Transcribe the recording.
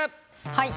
はい。